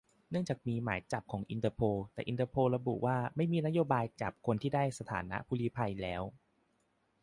เนื่องจากมีหมายจับของอินเตอร์โพล แต่อินเตอร์โพลระบุว่า ไม่มีนโยบายจับตัวคนที่ได้สถานะผู้ลี้ภัยแล้ว